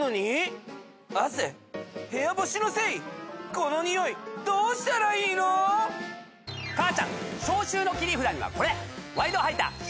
このニオイどうしたらいいの⁉母ちゃん消臭の切り札にはこれ！